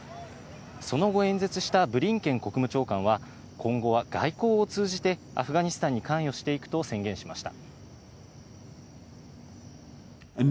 その後、演説したブリンケン国務長官は、今後は外交を通じてアフガニスタンに関与していくと宣言しました。